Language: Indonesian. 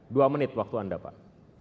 dua menit waktu anda pak